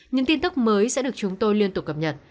những tin tức mới sẽ được chúng tôi liên tục cập nhật